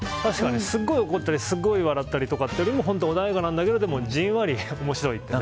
すごい怒るとかすごい笑ったりとかよりも穏やかなんだけどじんわり面白い。